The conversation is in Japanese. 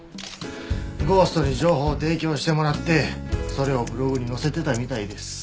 ゴーストに情報を提供してもらってそれをブログに載せてたみたいです。